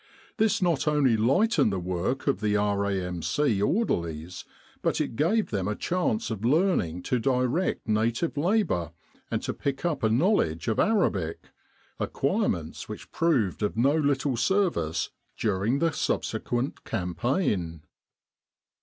This not only lightened the work of the R.A.M.C. orderlies, but it gave them a chance of learning to direct native labour and to pick up a knowledge of Arabic acquirements which proved of no little service during the subsequent campaign.